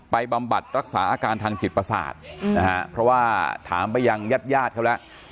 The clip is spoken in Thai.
บำบัดรักษาอาการทางจิตประสาทนะฮะเพราะว่าถามไปยังญาติญาติเขาแล้ว